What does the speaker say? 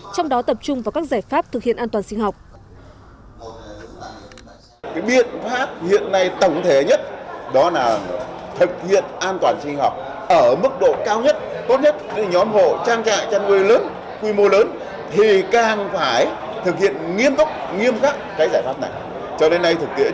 trong đó tập trung vào các giải pháp thực hiện an toàn sinh học